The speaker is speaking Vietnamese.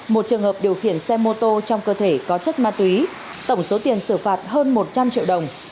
một trường hợp điều khiển xe mô tô trong cơ thể có chất ma túy tổng số tiền xử phạt hơn một trăm linh triệu đồng